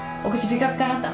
ピカピカなった？